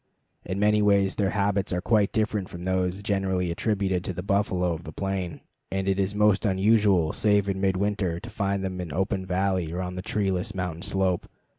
In many ways their habits are quite different from those generally attributed to the buffalo of the plain, and it is most unusual, save in midwinter, to find them in open valley or on the treeless mountain slope.